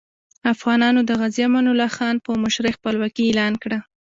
افغانانو د غازي امان الله خان په مشرۍ خپلواکي اعلان کړه.